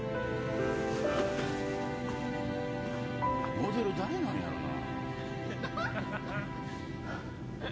モデル誰なんやろな？